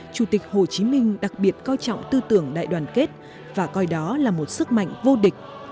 chủ tịch hồ chí minh đặc biệt coi trọng tư tưởng đại đoàn kết và coi đó là một sức mạnh vô địch